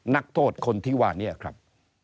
นักโทษคนที่ว่านี้ครับ